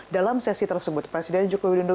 dalam sesi tersebut presiden joko widodo